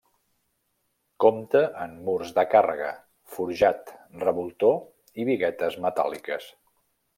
Compta amb murs de càrrega, forjat, revoltó i biguetes metàl·liques.